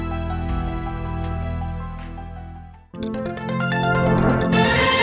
ขอบคุณครับ